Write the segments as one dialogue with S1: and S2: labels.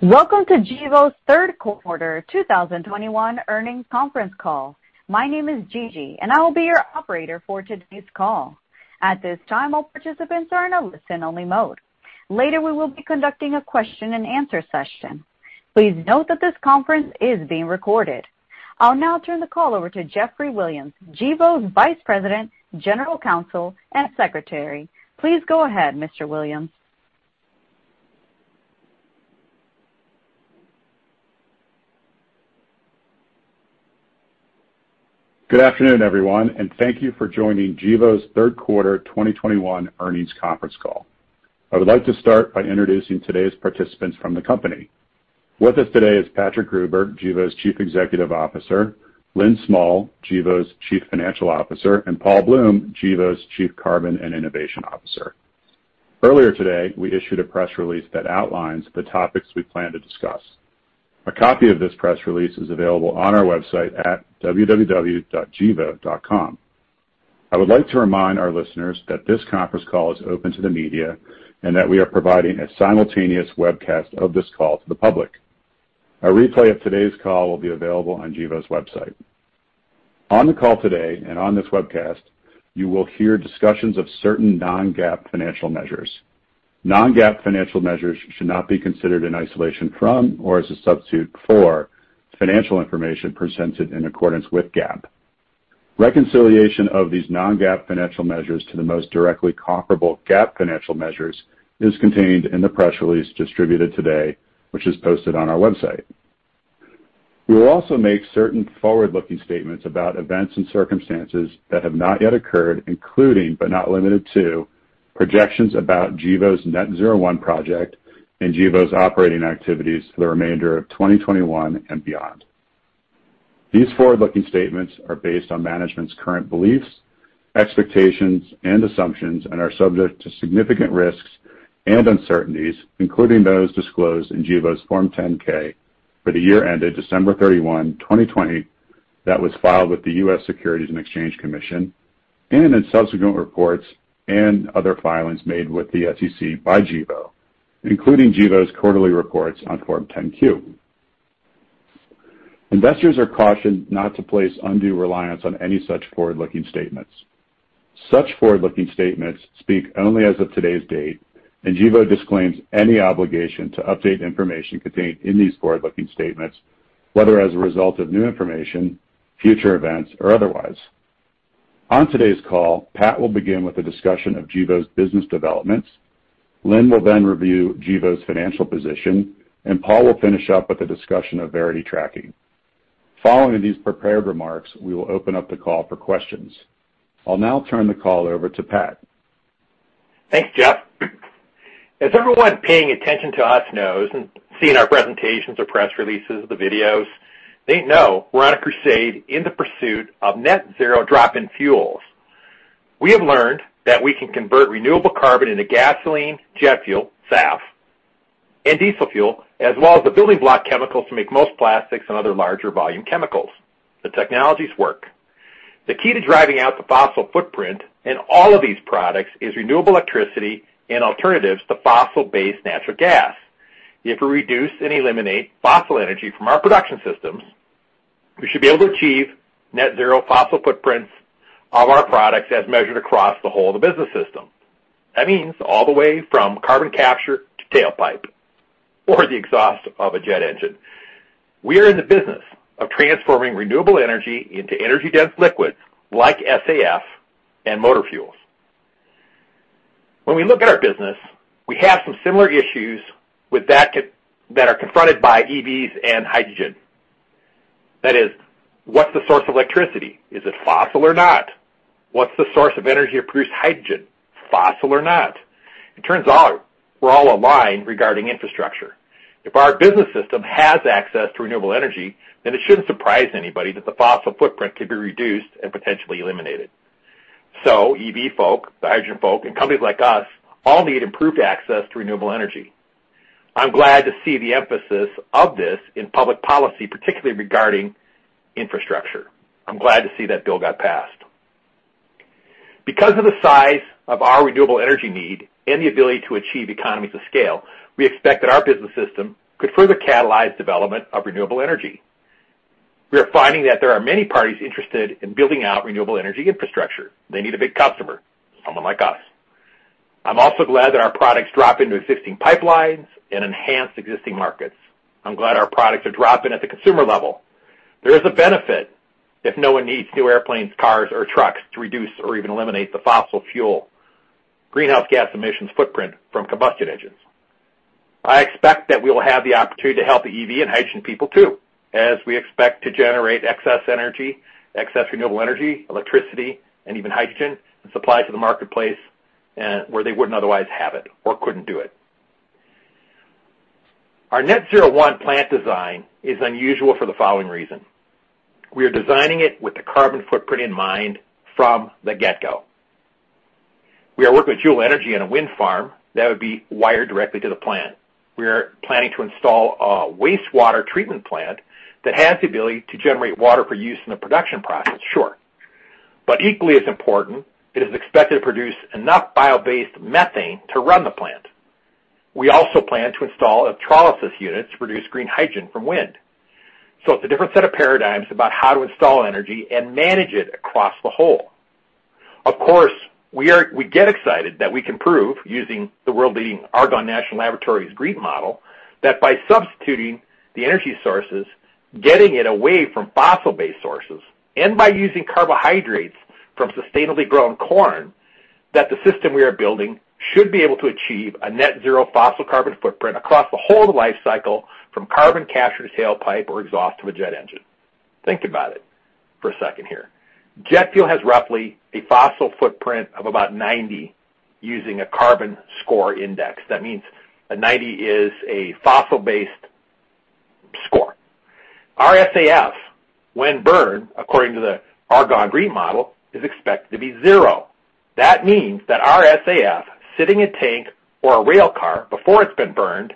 S1: Welcome to Gevo Third Quarter 2021 Earnings Conference Call. My name is Gigi, and I will be your operator for today's call. At this time, all participants are in a listen-only mode. Later, we will be conducting a question-and-answer session. Please note that this conference is being recorded. I'll now turn the call over to Geoff Williams, Gevo's Vice President, General Counsel, and Secretary. Please go ahead, Mr. Williams.
S2: Good afternoon, everyone, and thank you for joining Gevo's third quarter 2021 earnings conference call. I would like to start by introducing today's participants from the company. With us today is Patrick Gruber, Gevo's Chief Executive Officer, Lynn Smull, Gevo's Chief Financial Officer, and Paul Bloom, Gevo's Chief Carbon and Innovation Officer. Earlier today, we issued a press release that outlines the topics we plan to discuss. A copy of this press release is available on our website at www.gevo.com. I would like to remind our listeners that this conference call is open to the media and that we are providing a simultaneous webcast of this call to the public. A replay of today's call will be available on Gevo's website. On the call today and on this webcast, you will hear discussions of certain non-GAAP financial measures. Non-GAAP financial measures should not be considered in isolation from or as a substitute for financial information presented in accordance with GAAP. Reconciliation of these non-GAAP financial measures to the most directly comparable GAAP financial measures is contained in the press release distributed today, which is posted on our website. We will also make certain forward-looking statements about events and circumstances that have not yet occurred, including, but not limited to projections about Gevo's Net-Zero 1 project and Gevo's operating activities for the remainder of 2021 and beyond. These forward-looking statements are based on management's current beliefs, expectations, and assumptions and are subject to significant risks and uncertainties, including those disclosed in Gevo's Form 10-K for the year ended December 31, 2020, that was filed with the US Securities and Exchange Commission, and in subsequent reports and other filings made with the SEC by Gevo, including Gevo's quarterly reports on Form 10-Q. Investors are cautioned not to place undue reliance on any such forward-looking statements. Such forward-looking statements speak only as of today's date, and Gevo disclaims any obligation to update information contained in these forward-looking statements, whether as a result of new information, future events, or otherwise. On today's call, Pat will begin with a discussion of Gevo's business developments. Lynn will then review Gevo's financial position, and Paul will finish up with a discussion of Verity Tracking. Following these prepared remarks, we will open up the call for questions. I'll now turn the call over to Pat.
S3: Thanks, Geoff. As everyone paying attention to us knows and seeing our presentations or press releases, the videos, they know we're on a crusade in the pursuit of net zero drop-in fuels. We have learned that we can convert renewable carbon into gasoline, jet fuel, SAF, and diesel fuel, as well as the building block chemicals to make most plastics and other larger volume chemicals. The technologies work. The key to driving out the fossil footprint in all of these products is renewable electricity and alternatives to fossil-based natural gas. If we reduce and eliminate fossil energy from our production systems, we should be able to achieve net zero fossil footprints of our products as measured across the whole of the business system. That means all the way from carbon capture to tailpipe or the exhaust of a jet engine. We are in the business of transforming renewable energy into energy-dense liquids like SAF and motor fuels. When we look at our business, we have some similar issues with that that are confronted by EVs and hydrogen. That is, what's the source of electricity? Is it fossil or not? What's the source of energy to produce hydrogen, fossil or not? It turns out we're all aligned regarding infrastructure. If our business system has access to renewable energy, then it shouldn't surprise anybody that the fossil footprint could be reduced and potentially eliminated. So EV folk, the hydrogen folk, and companies like us all need improved access to renewable energy. I'm glad to see the emphasis of this in public policy, particularly regarding infrastructure. I'm glad to see that bill got passed. Because of the size of our renewable energy need and the ability to achieve economies of scale, we expect that our business system could further catalyze development of renewable energy. We are finding that there are many parties interested in building out renewable energy infrastructure. They need a big customer, someone like us. I'm also glad that our products drop into existing pipelines and enhance existing markets. I'm glad our products are dropping at the consumer level. There is a benefit if no one needs new airplanes, cars or trucks to reduce or even eliminate the fossil fuel greenhouse gas emissions footprint from combustion engines. I expect that we will have the opportunity to help the EV and hydrogen people too, as we expect to generate excess energy, excess renewable energy, electricity, and even hydrogen and supply to the marketplace, where they wouldn't otherwise have it or couldn't do it. Our Net-Zero 1 plant design is unusual for the following reason. We are designing it with the carbon footprint in mind from the get-go. We are working with Juhl Energy on a wind farm that would be wired directly to the plant. We are planning to install a wastewater treatment plant that has the ability to generate water for use in the production process, sure. Equally as important, it is expected to produce enough bio-based methane to run the plant. We also plan to install a electrolysis unit to produce green hydrogen from wind. It's a different set of paradigms about how to install energy and manage it across the whole. Of course, we get excited that we can prove using the world-leading Argonne National Laboratory GREET model that by substituting the energy sources, getting it away from fossil-based sources, and by using carbohydrates from sustainably grown corn, that the system we are building should be able to achieve a net zero fossil carbon footprint across the whole life cycle from carbon capture to tailpipe or exhaust to a jet engine. Think about it for a second here. Jet fuel has roughly a fossil footprint of about 90 using a carbon score index. That means a 90 is a fossil-based score. Our SAF, when burned, according to the Argonne GREET model, is expected to be zero. That means that our SAF sitting in a tank or a rail car before it's been burned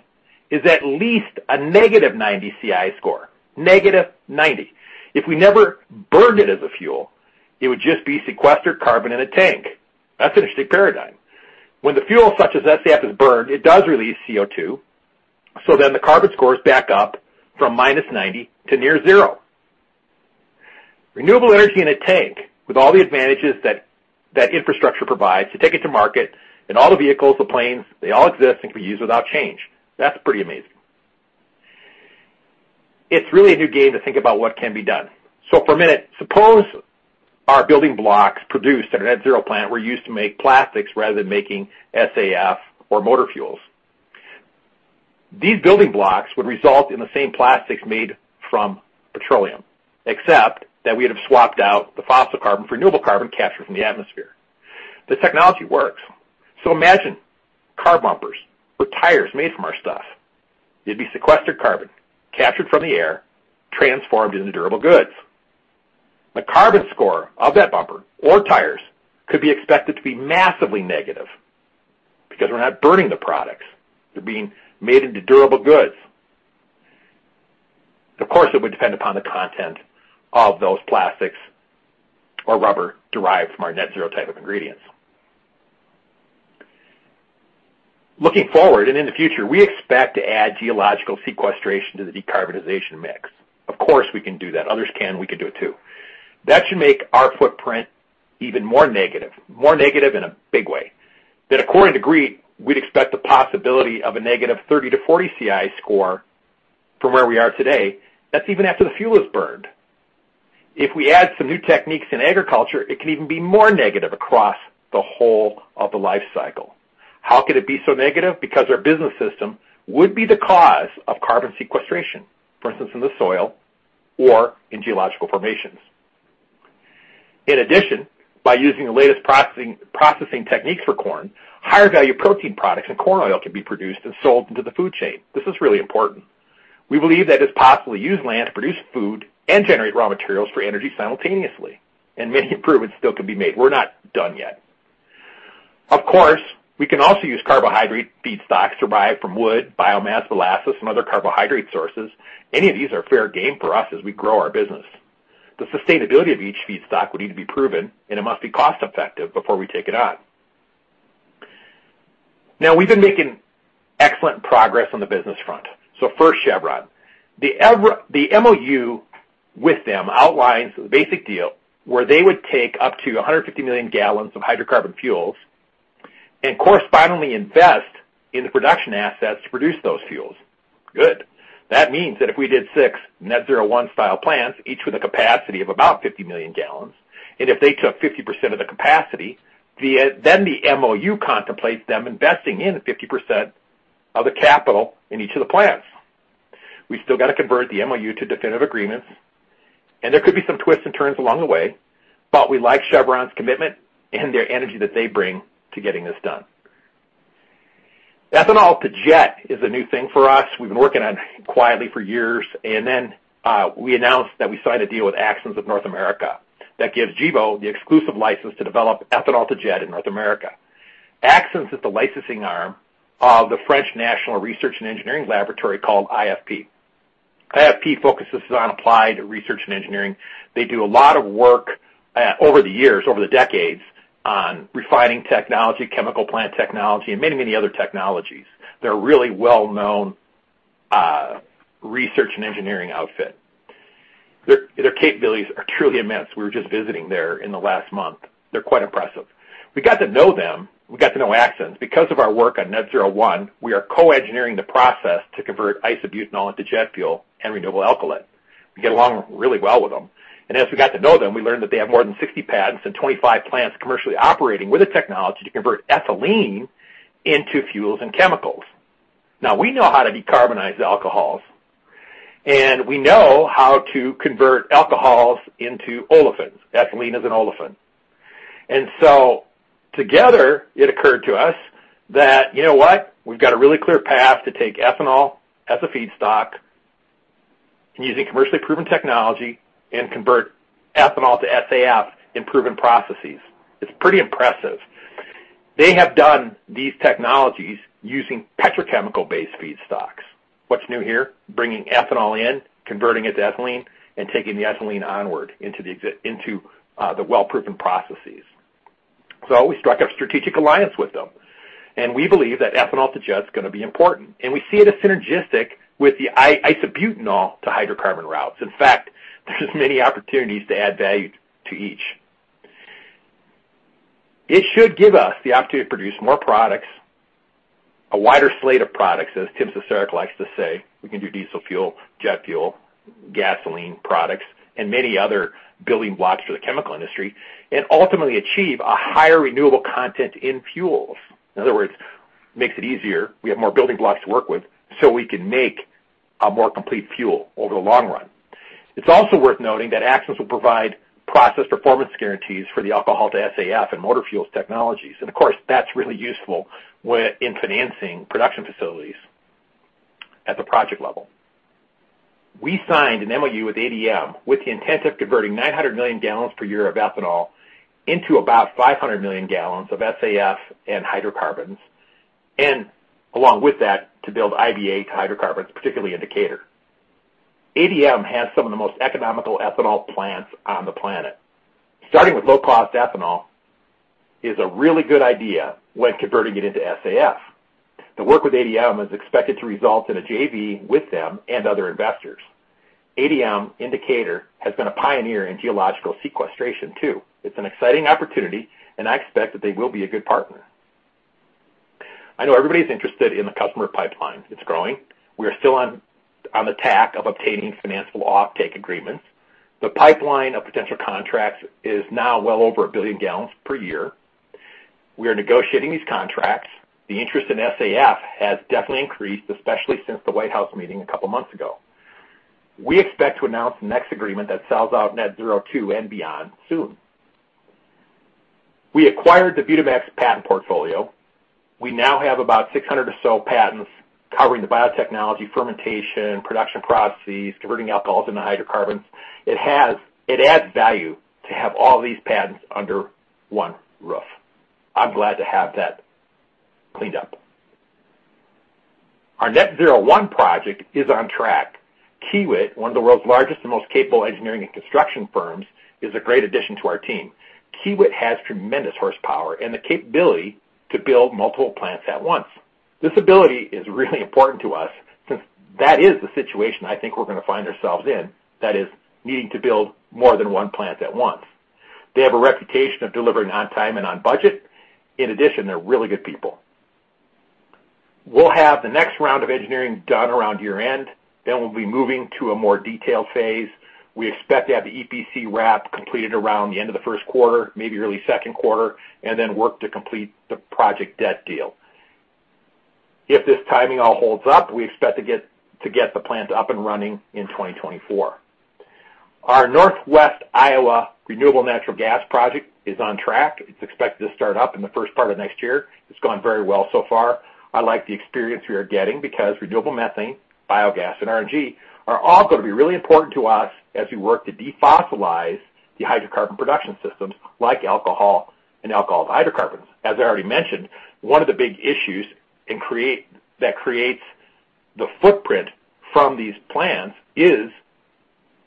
S3: is at least a -90 CI score, -90. If we never burned it as a fuel, it would just be sequestered carbon in a tank. That's an interesting paradigm. When the fuel such as SAF is burned, it does release CO2, so then the carbon score is back up from -90 to near zero. Renewable energy in a tank with all the advantages that infrastructure provides to take it to market and all the vehicles, the planes, they all exist and can be used without change. That's pretty amazing. It's really a new game to think about what can be done. For a minute, suppose our building blocks produced at our Net-Zero plant were used to make plastics rather than making SAF or motor fuels. These building blocks would result in the same plastics made from petroleum, except that we'd have swapped out the fossil carbon for renewable carbon captured from the atmosphere. The technology works. Imagine car bumpers with tires made from our stuff. It'd be sequestered carbon captured from the air, transformed into durable goods. The carbon score of that bumper or tires could be expected to be massively negative because we're not burning the products. They're being made into durable goods. Of course, it would depend upon the content of those plastics or rubber derived from our Net-Zero type of ingredients. Looking forward and in the future, we expect to add geological sequestration to the decarbonization mix. Of course, we can do that. Others can, we can do it too. That should make our footprint even more negative, more negative in a big way. That according to GREET, we'd expect the possibility of a negative 30-40 CI score from where we are today. That's even after the fuel is burned. If we add some new techniques in agriculture, it can even be more negative across the whole of the life cycle. How could it be so negative? Because our business system would be the cause of carbon sequestration, for instance, in the soil or in geological formations. In addition, by using the latest processing techniques for corn, higher value protein products and corn oil can be produced and sold into the food chain. This is really important. We believe that it's possible to use land to produce food and generate raw materials for energy simultaneously, and many improvements still can be made. We're not done yet. Of course, we can also use carbohydrate feedstocks derived from wood, biomass, molasses, and other carbohydrate sources. Any of these are fair game for us as we grow our business. The sustainability of each feedstock would need to be proven, and it must be cost-effective before we take it on. Now we've been making excellent progress on the business front. First, Chevron. The MOU with them outlines the basic deal where they would take up to 150 million gallons of hydrocarbon fuels and correspondingly invest in the production assets to produce those fuels. Good. That means that if we did six Net-Zero 1 style plants, each with a capacity of about 50 million gallons, and if they took 50% of the capacity, then the MOU contemplates them investing in 50% of the capital in each of the plants. We still got to convert the MOU to definitive agreements, and there could be some twists and turns along the way, but we like Chevron's commitment and their energy that they bring to getting this done. Ethanol to jet is a new thing for us. We've been working on it quietly for years, and then, we announced that we signed a deal with Axens of North America that gives Gevo the exclusive license to develop ethanol to jet in North America. Axens is the licensing arm of the French National Research and Engineering Laboratory called IFP. IFP focuses on applied research and engineering. They do a lot of work, over the years, over the decades on refining technology, chemical plant technology, and many, many other technologies. They're a really well-known research and engineering outfit. Their capabilities are truly immense. We were just visiting there in the last month. They're quite impressive. We got to know them. We got to know Axens. Because of our work on Net-Zero 1, we are co-engineering the process to convert isobutanol into jet fuel and renewable alkylate. We get along really well with them, and as we got to know them, we learned that they have more than 60 patents and 25 plants commercially operating with the technology to convert ethylene into fuels and chemicals. Now, we know how to decarbonize alcohols, and we know how to convert alcohols into olefins. Ethylene is an olefin. Together it occurred to us that, you know what? We've got a really clear path to take ethanol as a feedstock using commercially proven technology and convert ethanol to SAF in proven processes. It's pretty impressive. They have done these technologies using petrochemical based feedstocks. What's new here? Bringing ethanol in, converting it to ethylene, and taking the ethylene onward into the well-proven processes. We struck a strategic alliance with them, and we believe that ethanol to jet is gonna be important, and we see it as synergistic with the isobutanol to hydrocarbon routes. In fact, there's many opportunities to add value to each. It should give us the opportunity to produce more products, a wider slate of products. As Tim Cesarek likes to say, we can do diesel fuel, jet fuel, gasoline products, and many other building blocks for the chemical industry and ultimately achieve a higher renewable content in fuels. In other words, makes it easier. We have more building blocks to work with so we can make a more complete fuel over the long run. It's also worth noting that Axens will provide process performance guarantees for the alcohol to SAF and motor fuels technologies. Of course, that's really useful when financing production facilities at the project level. We signed an MOU with ADM with the intent of converting 900 million gallons per year of ethanol into about 500 million gallons of SAF and hydrocarbons, and along with that, to build IBA to hydrocarbons, particularly in Decatur. ADM has some of the most economical ethanol plants on the planet. Starting with low cost ethanol is a really good idea when converting it into SAF. The work with ADM is expected to result in a JV with them and other investors. ADM in Decatur has been a pioneer in geological sequestration too. It's an exciting opportunity, and I expect that they will be a good partner. I know everybody's interested in the customer pipeline. It's growing. We are still on track of obtaining financial offtake agreements. The pipeline of potential contracts is now well over 1 billion gallons per year. We are negotiating these contracts. The interest in SAF has definitely increased, especially since the White House meeting a couple months ago. We expect to announce the next agreement that sells out Net-Zero 2 and beyond soon. We acquired the Butamax patent portfolio. We now have about 600 or so patents covering the biotechnology fermentation, production processes, converting alcohols into hydrocarbons. It adds value to have all these patents under one roof. I'm glad to have that cleaned up. Our Net-Zero 1 project is on track. Kiewit, one of the world's largest and most capable engineering and construction firms, is a great addition to our team. Kiewit has tremendous horsepower and the capability to build multiple plants at once. This ability is really important to us since that is the situation I think we're gonna find ourselves in, that is needing to build more than one plant at once. They have a reputation of delivering on time and on budget. In addition, they're really good people. We'll have the next round of engineering done around year-end. Then we'll be moving to a more detailed phase. We expect to have the EPC wrap completed around the end of the first quarter, maybe early second quarter, and then work to complete the project debt deal. If this timing all holds up, we expect to get the plant up and running in 2024. Our Northwest Iowa Renewable Natural Gas project is on track. It's expected to start up in the first part of next year. It's gone very well so far. I like the experience we are getting because renewable methane, biogas, and RNG are all gonna be really important to us as we work to defossilize the hydrocarbon production systems like alcohol and alcohol to hydrocarbons. As I already mentioned, one of the big issues that creates the footprint from these plants is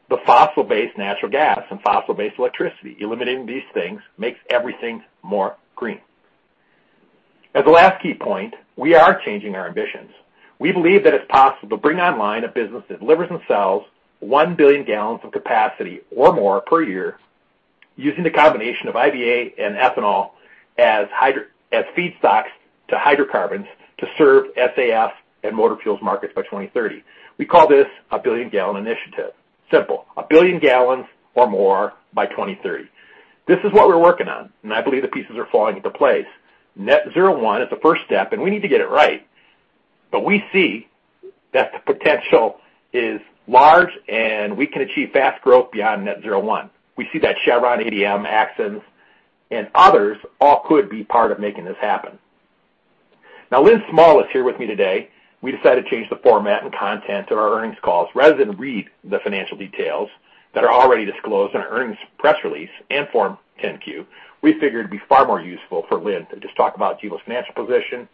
S3: the fossil based natural gas and fossil based electricity. Eliminating these things makes everything more green. As a last key point, we are changing our ambitions. We believe that it's possible to bring online a business that delivers and sells 1 billion gallons of capacity or more per year using the combination of IBA and ethanol as feedstocks to hydrocarbons to serve SAF and motor fuels markets by 2030. We call this a billion gallon initiative. Simple. 1 billion gallons or more by 2030. This is what we're working on, and I believe the pieces are falling into place. Net-Zero 1 is the first step, and we need to get it right. We see that the potential is large, and we can achieve fast growth beyond Net-Zero 1. We see that Chevron, ADM, Axens, and others all could be part of making this happen. Now, Lynn Smull is here with me today. We decided to change the format and content of our earnings calls. Rather than read the financial details that are already disclosed in our earnings press release and Form 10-Q, we figured it'd be far more useful for Lynn Smull to just talk about Gevo's financial position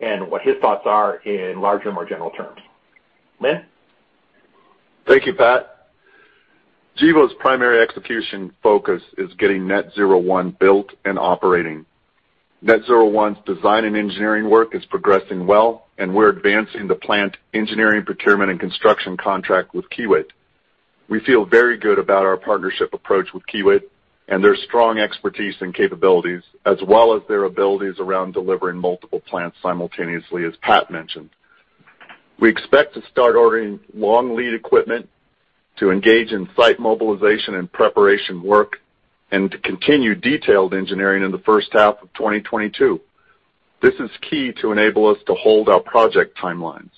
S3: and what his thoughts are in larger, more general terms. Lynn.
S4: Thank you, Pat. Gevo's primary execution focus is getting Net-Zero 1 built and operating. Net-Zero 1's design and engineering work is progressing well, and we're advancing the plant engineering, procurement, and construction contract with Kiewit. We feel very good about our partnership approach with Kiewit and their strong expertise and capabilities, as well as their abilities around delivering multiple plants simultaneously, as Pat mentioned. We expect to start ordering long lead equipment to engage in site mobilization and preparation work and to continue detailed engineering in the first half of 2022. This is key to enable us to hold our project timelines.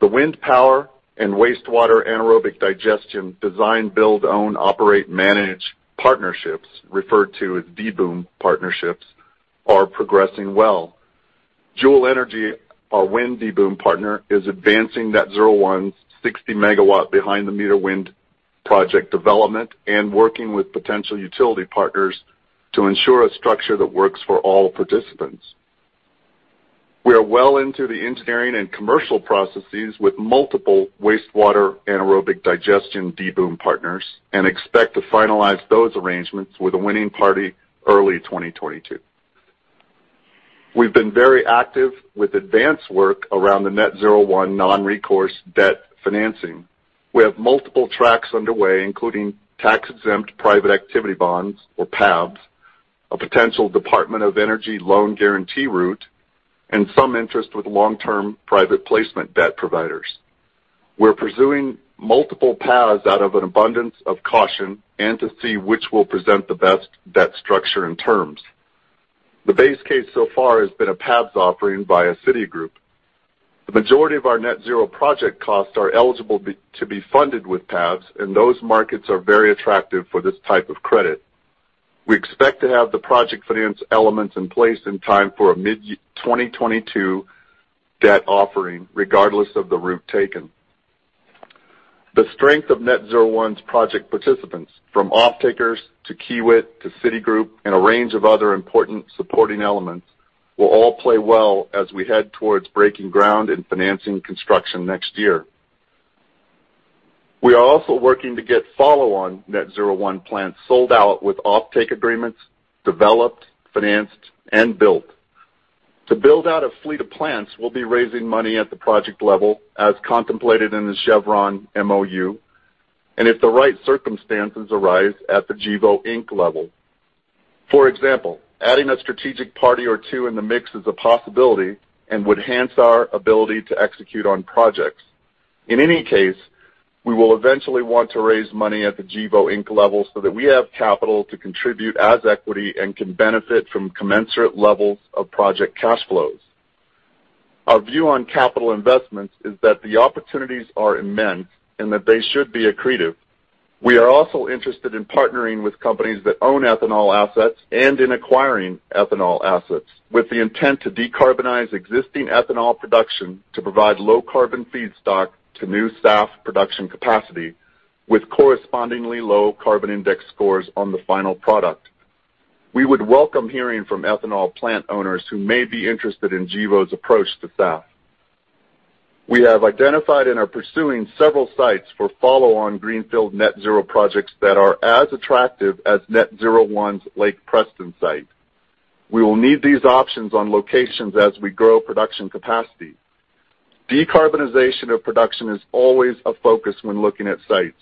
S4: The wind power and wastewater anaerobic digestion design, build, own, operate, manage partnerships, referred to as DBOOM partnerships, are progressing well. Juhl Energy, our wind DBOOM partner, is advancing Net-Zero 1's 60 MW behind the meter wind project development and working with potential utility partners to ensure a structure that works for all participants. We are well into the engineering and commercial processes with multiple wastewater anaerobic digestion DBOOM partners and expect to finalize those arrangements with a winning party early 2022. We've been very active with advanced work around the Net-Zero 1 non-recourse debt financing. We have multiple tracks underway, including tax-exempt private activity bonds or PABs, a potential Department of Energy loan guarantee route, and some interest with long-term private placement debt providers. We're pursuing multiple paths out of an abundance of caution and to see which will present the best debt structure and terms. The base case so far has been a PABs offering by Citigroup. The majority of our Net-Zero project costs are eligible to be funded with PABs, and those markets are very attractive for this type of credit. We expect to have the project finance elements in place in time for a mid-year 2022 debt offering, regardless of the route taken. The strength of Net-Zero 1's project participants, from offtakers to Kiewit to Citigroup and a range of other important supporting elements, will all play well as we head towards breaking ground and financing construction next year. We are also working to get follow-on Net-Zero 1 plants sold out with offtake agreements developed, financed, and built. To build out a fleet of plants, we'll be raising money at the project level as contemplated in the Chevron MOU. If the right circumstances arise at the Gevo, Inc. level. For example, adding a strategic party or two in the mix is a possibility and would enhance our ability to execute on projects. In any case, we will eventually want to raise money at the Gevo, Inc. level so that we have capital to contribute as equity and can benefit from commensurate levels of project cash flows. Our view on capital investments is that the opportunities are immense and that they should be accretive. We are also interested in partnering with companies that own ethanol assets and in acquiring ethanol assets with the intent to decarbonize existing ethanol production to provide low carbon feedstock to new SAF production capacity with correspondingly low carbon index scores on the final product. We would welcome hearing from ethanol plant owners who may be interested in Gevo's approach to SAF. We have identified and are pursuing several sites for follow-on greenfield Net-Zero projects that are as attractive as Net-Zero 1's Lake Preston site. We will need these options on locations as we grow production capacity. Decarbonization of production is always a focus when looking at sites.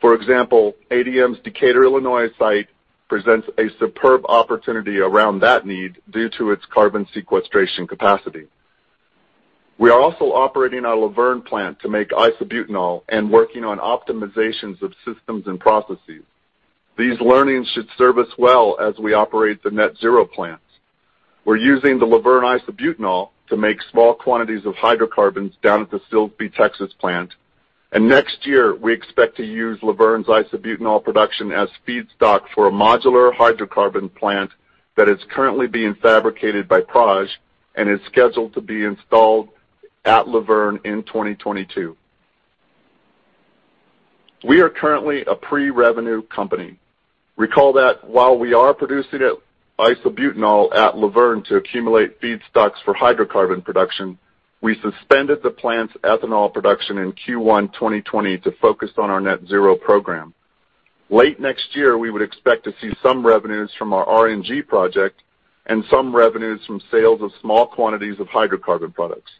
S4: For example, ADM's Decatur, Illinois, site presents a superb opportunity around that need due to its carbon sequestration capacity. We are also operating our Luverne plant to make isobutanol and working on optimizations of systems and processes. These learnings should serve us well as we operate the Net-Zero plants. We're using the Luverne isobutanol to make small quantities of hydrocarbons down at the Silsbee, Texas, plant. Next year, we expect to use Luverne's isobutanol production as feedstock for a modular hydrocarbon plant that is currently being fabricated by Praj and is scheduled to be installed at Luverne in 2022. We are currently a pre-revenue company. Recall that while we are producing isobutanol at Luverne to accumulate feedstocks for hydrocarbon production, we suspended the plant's ethanol production in Q1 2020 to focus on our Net-Zero program. Late next year, we would expect to see some revenues from our RNG project and some revenues from sales of small quantities of hydrocarbon products.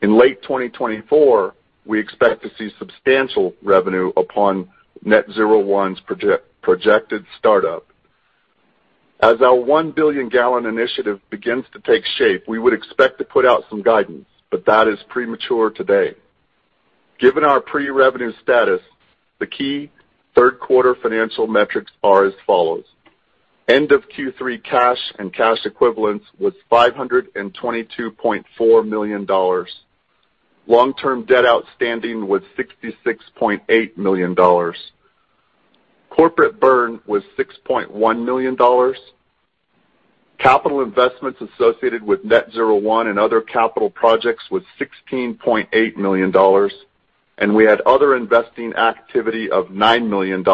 S4: In late 2024, we expect to see substantial revenue upon Net-Zero 1's project, projected startup. As our 1 billion gallon initiative begins to take shape, we would expect to put out some guidance, but that is premature today. Given our pre-revenue status, the key third quarter financial metrics are as follows: End of Q3, cash and cash equivalents was $522.4 million. Long-term debt outstanding was $66.8 million. Corporate burn was $6.1 million. Capital investments associated with Net-Zero 1 and other capital projects was $16.8 million. We had other investing activity of $9 million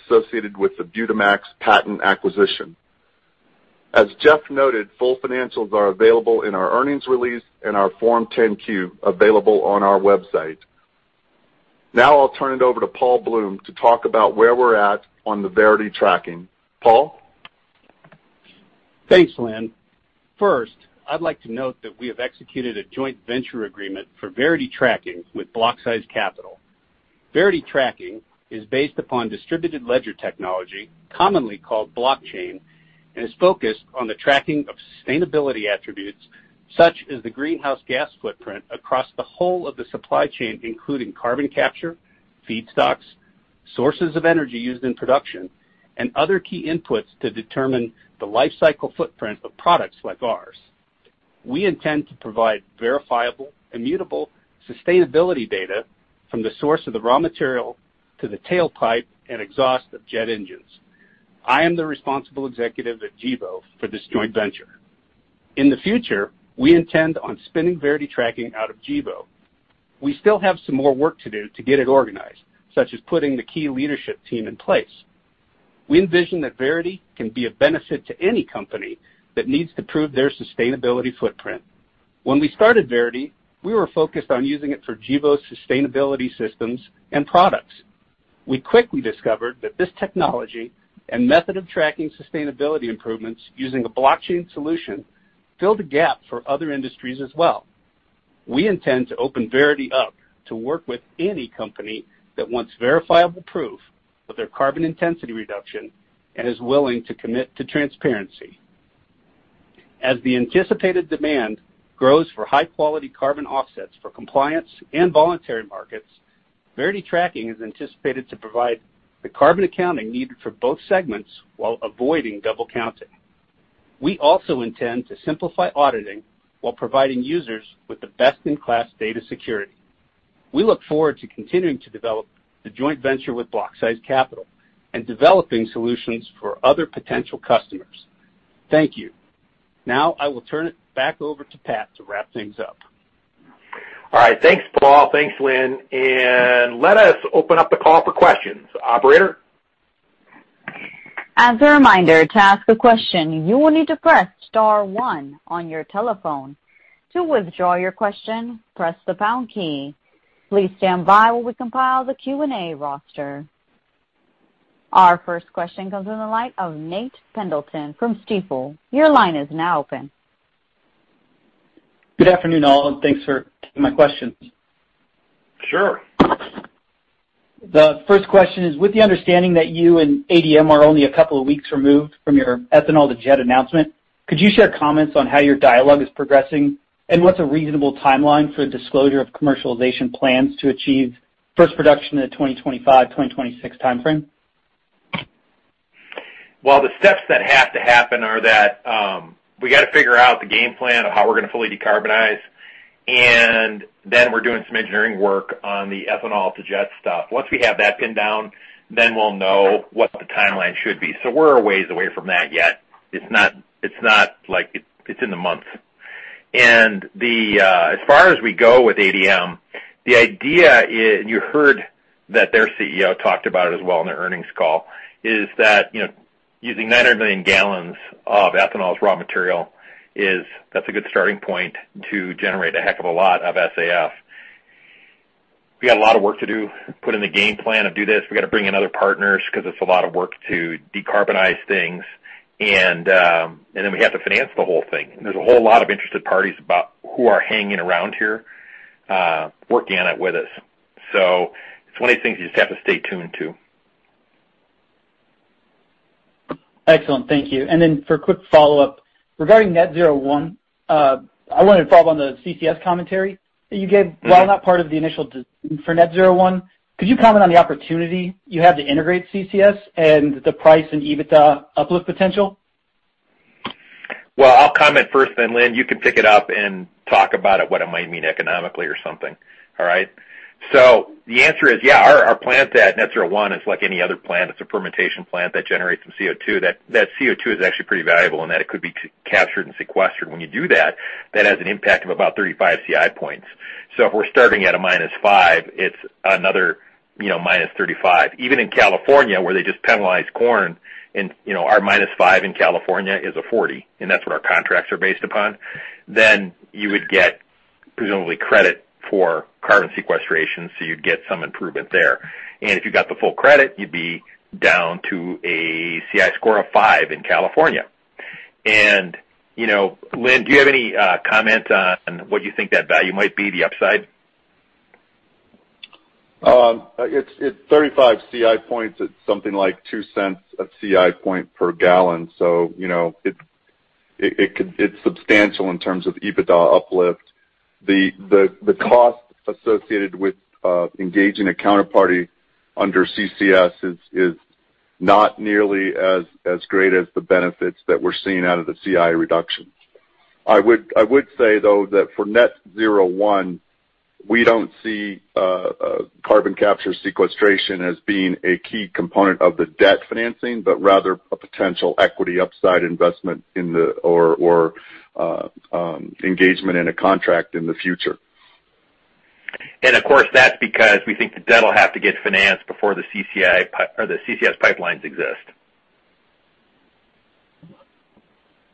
S4: associated with the Butamax patent acquisition. As Jeff noted, full financials are available in our earnings release and our Form 10-Q, available on our website. Now I'll turn it over to Paul Bloom to talk about where we're at on the Verity Tracking. Paul?
S5: Thanks, Lynn. First, I'd like to note that we have executed a joint venture agreement for Verity Tracking with Blocksize Capital. Verity Tracking is based upon distributed ledger technology, commonly called blockchain, and is focused on the tracking of sustainability attributes such as the greenhouse gas footprint across the whole of the supply chain, including carbon capture, feedstocks, sources of energy used in production, and other key inputs to determine the lifecycle footprint of products like ours. We intend to provide verifiable, immutable, sustainability data from the source of the raw material to the tailpipe and exhaust of jet engines. I am the responsible executive at Gevo for this joint venture. In the future, we intend on spinning Verity Tracking out of Gevo. We still have some more work to do to get it organized, such as putting the key leadership team in place. We envision that Verity can be a benefit to any company that needs to prove their sustainability footprint. When we started Verity, we were focused on using it for Gevo's sustainability systems and products. We quickly discovered that this technology and method of tracking sustainability improvements using a blockchain solution filled a gap for other industries as well. We intend to open Verity up to work with any company that wants verifiable proof of their carbon intensity reduction and is willing to commit to transparency. As the anticipated demand grows for high-quality carbon offsets for compliance and voluntary markets, Verity Tracking is anticipated to provide the carbon accounting needed for both segments while avoiding double counting. We also intend to simplify auditing while providing users with the best-in-class data security. We look forward to continuing to develop the joint venture with Blocksize Capital and developing solutions for other potential customers. Thank you. Now I will turn it back over to Pat to wrap things up.
S3: All right. Thanks, Paul. Thanks, Lynn. Let us open up the call for questions. Operator?
S1: As a reminder, to ask a question, you will need to press star one on your telephone. To withdraw your question, press the pound key. Please stand by while we compile the Q&A roster. Our first question comes from the line of Nate Pendleton from Stifel. Your line is now open.
S6: Good afternoon, all, and thanks for taking my questions.
S3: Sure.
S6: The first question is, with the understanding that you and ADM are only a couple of weeks removed from your ethanol to jet announcement, could you share comments on how your dialogue is progressing and what's a reasonable timeline for disclosure of commercialization plans to achieve first production in the 2025/2026 timeframe?
S3: Well, the steps that have to happen are that we gotta figure out the game plan of how we're gonna fully decarbonize, and then we're doing some engineering work on the ethanol to jet stuff. Once we have that pinned down, we'll know what the timeline should be. We're a ways away from that yet. It's not like it's in the months. As far as we go with ADM, the idea is, you heard that their CEO talked about it as well in their earnings call, is that, you know, using 900 million gallons of ethanol as raw material is, that's a good starting point to generate a heck of a lot of SAF. We got a lot of work to do, put in the game plan to do this. We gotta bring in other partners 'cause it's a lot of work to decarbonize things. We have to finance the whole thing. There's a whole lot of interested parties who are hanging around here, working on it with us. It's one of these things you just have to stay tuned to.
S6: Excellent. Thank you. For a quick follow-up, regarding Net-Zero 1, I wanted to follow up on the CCS commentary that you gave.
S3: Mm-hmm.
S6: While not part of the initial design for Net-Zero 1, could you comment on the opportunity you have to integrate CCS and the price and EBITDA uplift potential?
S3: Well, I'll comment first, then Lynn, you can pick it up and talk about it, what it might mean economically or something. All right? The answer is, yeah, our plant at Net-Zero 1 is like any other plant. It's a fermentation plant that generates some CO2. That CO2 is actually pretty valuable in that it could be captured and sequestered. When you do that has an impact of about 35 CI points. If we're starting at a -5 CI points, it's another, you know, -35 CI points. Even in California, where they just penalize corn, and, you know, our -5 in California is a 40, and that's what our contracts are based upon. You would get presumably credit for carbon sequestration, so you'd get some improvement there. If you got the full credit, you'd be down to a CI score of five in California. You know, Lynn, do you have any comment on what you think that value might be, the upside?
S4: It's 35 CI points. It's something like $0.02 a CI point per gallon. You know, it's substantial in terms of EBITDA uplift. The cost associated with engaging a counterparty under CCS is not nearly as great as the benefits that we're seeing out of the CI reductions. I would say though that for Net-Zero 1, we don't see carbon capture sequestration as being a key component of the debt financing, but rather a potential equity upside investment or engagement in a contract in the future.
S3: Of course, that's because we think the debt will have to get financed before the CCS pipelines exist.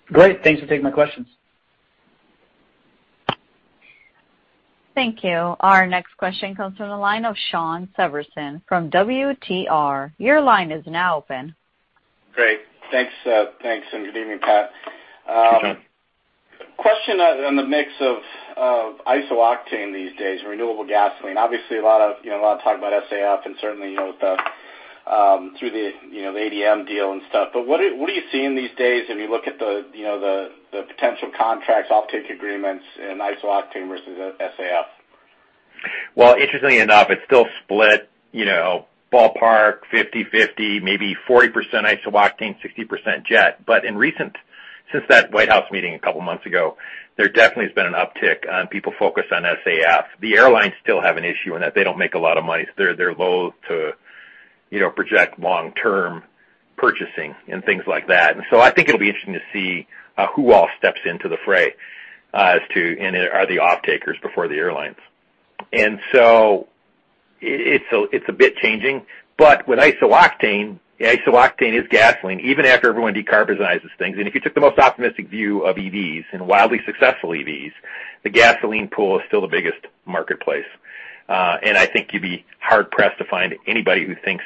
S6: Great. Thanks for taking my questions.
S1: Thank you. Our next question comes from the line of Shawn Severson from WTR. Your line is now open.
S7: Great. Thanks, and good evening, Pat.
S3: Okay.
S7: Question on the mix of isooctane these days, renewable gasoline. Obviously, a lot of talk about SAF and certainly, you know, through the, you know, the ADM deal and stuff. But what are you seeing these days when you look at the, you know, the potential contracts, offtake agreements in isooctane versus SAF?
S3: Well, interestingly enough, it's still split, you know, ballpark 50/50, maybe 40% isooctane, 60% jet. Recently since that White House meeting a couple months ago, there definitely has been an uptick in people focused on SAF. The airlines still have an issue in that they don't make a lot of money, so they're loath to, you know, project long-term purchasing and things like that. I think it'll be interesting to see who all steps into the fray as to who are the off-takers before the airlines. It's a bit changing. With isooctane is gasoline even after everyone decarbonizes things. If you took the most optimistic view of EVs and wildly successful EVs, the gasoline pool is still the biggest marketplace. I think you'd be hard pressed to find anybody who thinks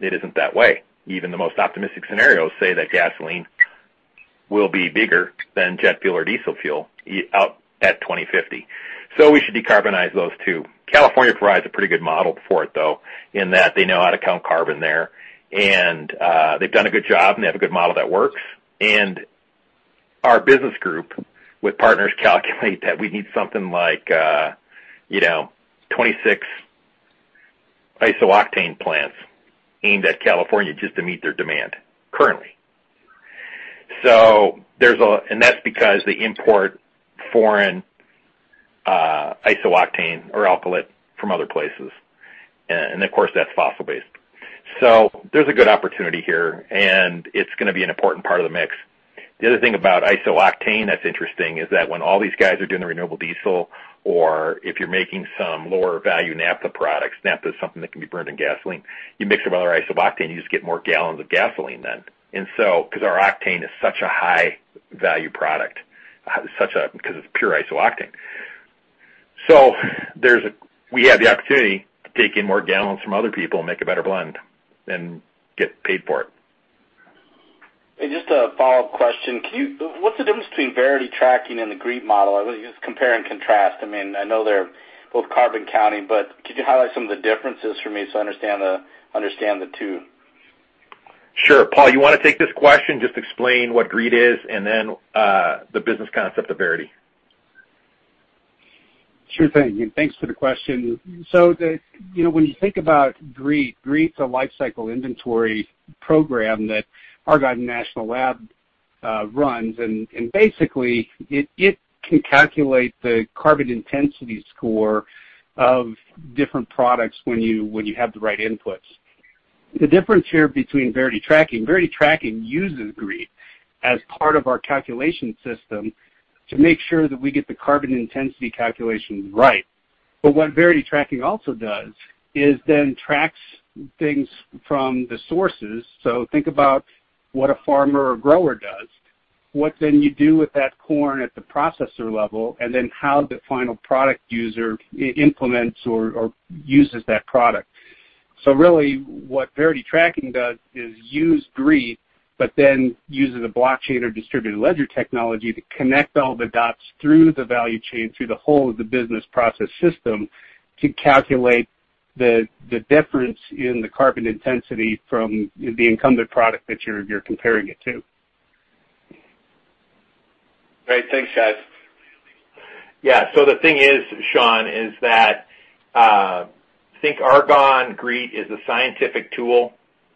S3: it isn't that way. Even the most optimistic scenarios say that gasoline will be bigger than jet fuel or diesel fuel out at 2050. We should decarbonize those two. California provides a pretty good model for it, though, in that they know how to count carbon there. They've done a good job, and they have a good model that works. Our business group, with partners, calculate that we need something like, you know, 26 isooctane plants aimed at California just to meet their demand currently. There's a good opportunity here, and that's because they import foreign isooctane or alkylate from other places. Of course, that's fossil based. There's a good opportunity here, and it's gonna be an important part of the mix. The other thing about isooctane that's interesting is that when all these guys are doing the renewable diesel or if you're making some lower value naphtha products, naphtha is something that can be burned in gasoline. You mix some other isooctane, you just get more gallons of gasoline than. 'Cause our octane is such a high value product because it's pure isooctane. So we have the opportunity to take in more gallons from other people and make a better blend and get paid for it.
S7: Just a follow-up question. What's the difference between Verity Tracking and the GREET model? I want you just compare and contrast. I mean, I know they're both carbon counting, but could you highlight some of the differences for me so I understand the two?
S3: Sure. Paul, you wanna take this question, just explain what GREET is, and then the business concept of Verity.
S5: Sure thing, and thanks for the question. You know, when you think about GREET's a lifecycle inventory program that Argonne National Lab runs. Basically, it can calculate the carbon intensity score of different products when you have the right inputs. The difference here between Verity Tracking uses GREET as part of our calculation system to make sure that we get the carbon intensity calculation right. What Verity Tracking also does is then tracks things from the sources. Think about what a farmer or grower does, what then you do with that corn at the processor level, and then how the final product user implements or uses that product. Really what Verity Tracking does is use GREET, but then uses a blockchain or distributed ledger technology to connect all the dots through the value chain, through the whole of the business process system, to calculate the difference in the carbon intensity from the incumbent product that you're comparing it to.
S7: Great. Thanks, guys.
S3: Yeah. The thing is, Shawn, is that, think Argonne GREET is a scientific tool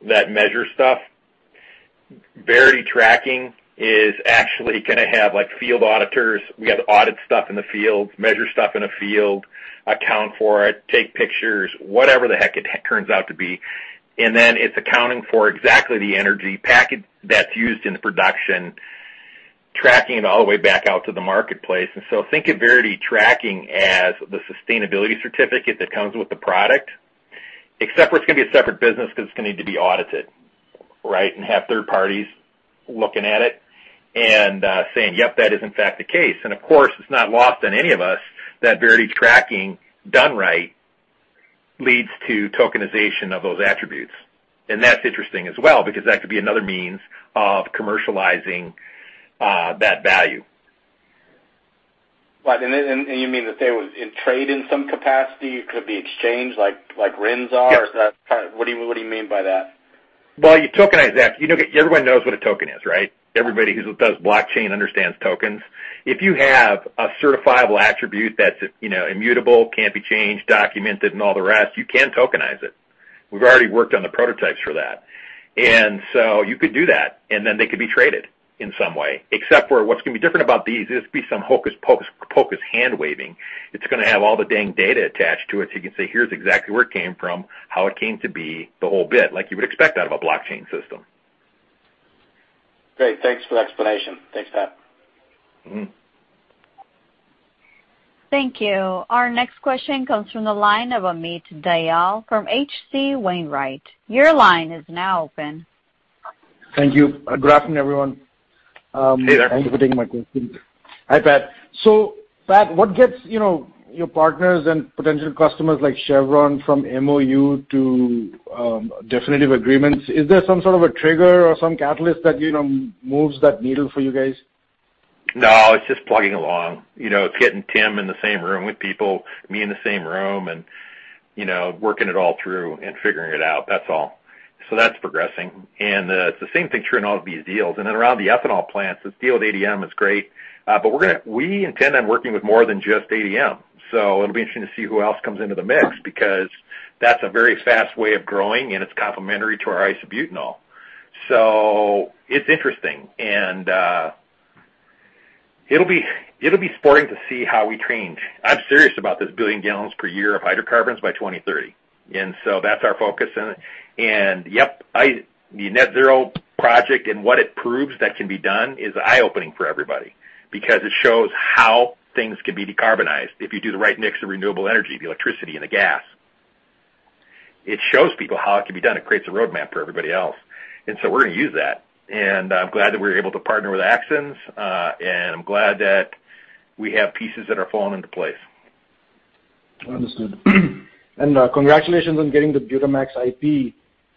S3: that measures stuff. Verity Tracking is actually gonna have, like, field auditors. We have to audit stuff in the field, measure stuff in a field, account for it, take pictures, whatever the heck it turns out to be. Then it's accounting for exactly the energy package that's used in the production, tracking it all the way back out to the marketplace. Think of Verity Tracking as the sustainability certificate that comes with the product. Except for it's gonna be a separate business 'cause it's gonna need to be audited, right? Have third parties looking at it and, saying, "Yep, that is in fact the case." Of course, it's not lost on any of us that Verity Tracking done right leads to tokenization of those attributes. That's interesting as well because that could be another means of commercializing that value.
S7: Right. You mean that they would trade in some capacity? It could be exchanged like RINs are?
S3: Yep.
S7: What do you mean by that?
S3: Well, you tokenize that. You know, everyone knows what a token is, right? Everybody who does blockchain understands tokens. If you have a certifiable attribute that's, you know, immutable, can't be changed, documented and all the rest, you can tokenize it. We've already worked on the prototypes for that. You could do that, and then they could be traded in some way. Except for what's gonna be different about these, this would be some hocus pocus hand waving. It's gonna have all the dang data attached to it, so you can say, "Here's exactly where it came from, how it came to be," the whole bit, like you would expect out of a blockchain system.
S7: Great. Thanks for the explanation. Thanks, Pat.
S3: Mm-hmm.
S1: Thank you. Our next question comes from the line of Amit Dayal from H.C. Wainwright. Your line is now open.
S8: Thank you. Good afternoon, everyone.
S3: Hey there.
S8: Thank you for taking my question. Hi, Pat. Pat, what gets, you know, your partners and potential customers like Chevron from MOU to definitive agreements? Is there some sort of a trigger or some catalyst that, you know, moves that needle for you guys?
S3: No, it's just plugging along. You know, it's getting Tim in the same room with people, me in the same room, and, you know, working it all through and figuring it out. That's all. That's progressing. It's the same thing true in all of these deals. Then around the ethanol plants, this deal with ADM is great, but we intend on working with more than just ADM. It'll be interesting to see who else comes into the mix because that's a very fast way of growing, and it's complementary to our isobutanol. It's interesting, and it'll be sporting to see how we change. I'm serious about this billion gallons per year of hydrocarbons by 2030, and that's our focus in it. Yep, the Net-Zero project and what it proves that can be done is eye-opening for everybody because it shows how things can be decarbonized if you do the right mix of renewable energy, the electricity, and the gas. It shows people how it can be done. It creates a roadmap for everybody else. We're gonna use that. I'm glad that we were able to partner with Axens, and I'm glad that we have pieces that are falling into place.
S8: Understood. Congratulations on getting the Butamax IP.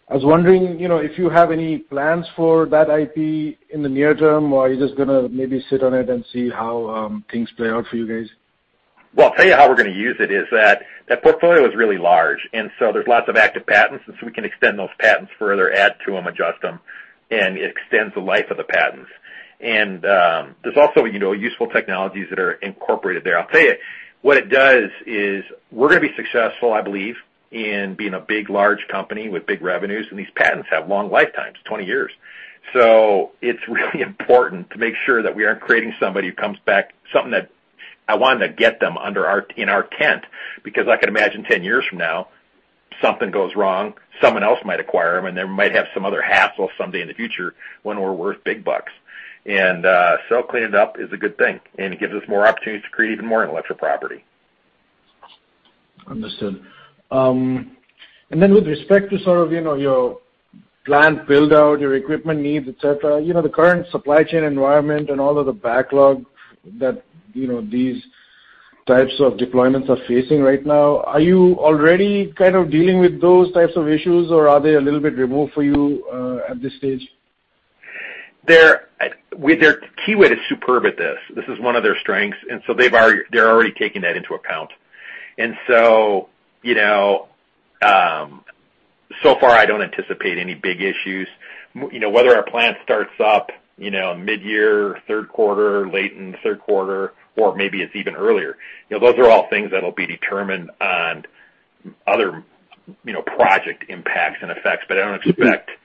S8: I was wondering, you know, if you have any plans for that IP in the near term, or are you just gonna maybe sit on it and see how things play out for you guys?
S3: Well, I'll tell you how we're gonna use it is that portfolio is really large, and so there's lots of active patents, and so we can extend those patents further, add to them, adjust them, and it extends the life of the patents. There's also, you know, useful technologies that are incorporated there. I'll tell you, what it does is we're gonna be successful, I believe, in being a big, large company with big revenues, and these patents have long lifetimes, 20 years. It's really important to make sure that we aren't creating somebody who comes back, something that I wanted to get them in our tent because I can imagine 10 years from now, something goes wrong, someone else might acquire them, and they might have some other hassle someday in the future when we're worth big bucks. Cleaning it up is a good thing, and it gives us more opportunities to create even more intellectual property.
S8: Understood. With respect to sort of, you know, your plant build-out, your equipment needs, et cetera, you know, the current supply chain environment and all of the backlog that, you know, these types of deployments are facing right now, are you already kind of dealing with those types of issues, or are they a little bit removed for you, at this stage?
S3: Kiewit is superb at this. This is one of their strengths, and so they're already taking that into account. You know, so far I don't anticipate any big issues. You know, whether our plant starts up, you know, midyear, third quarter, late in the third quarter, or maybe it's even earlier, you know, those are all things that'll be determined on other, you know, project impacts and effects. But I don't expect issues